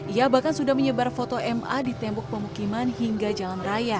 ia bahkan sudah menyebar foto ma di tembok pemukiman hingga jalan raya